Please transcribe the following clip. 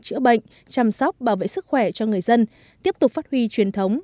chữa bệnh chăm sóc bảo vệ sức khỏe cho người dân tiếp tục phát huy truyền thống